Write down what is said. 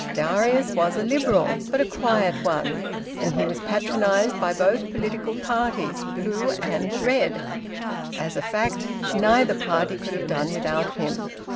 Darius was a Liberal, but a quiet one, and he was patronised by both political parties blue and red. As a fact, neither party could have done without him.